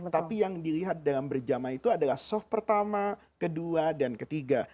tapi yang dilihat dalam berjamaah itu adalah soft pertama kedua dan ketiga